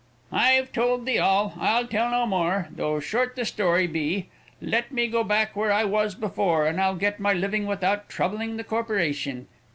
"I've told thee all, I'll tell no more, though short the story be; let me go back where I was before and I'll get my living without troubling the corporation.